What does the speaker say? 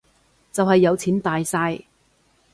就係有錢大晒